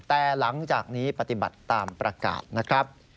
แต่หลังจากนี้ปฏิบัติตามประกาศนะครับ